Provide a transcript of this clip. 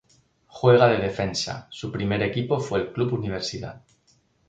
Juega de defensa, su primer equipo fue el Club Universidad.